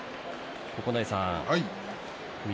九重さん翠